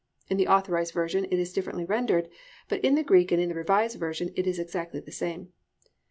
(In the Authorised Version it is differently rendered, but in the Greek and in the Revised Version it is exactly the same.)